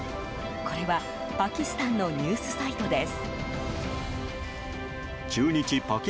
これはパキスタンのニュースサイトです。